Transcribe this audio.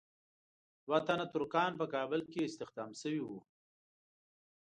دوه تنه ترکان په کابل کې استخدام شوي وو.